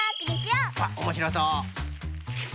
わっおもしろそう！